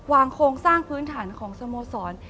โครงสร้างพื้นฐานของสโมสร